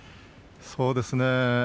そうですね。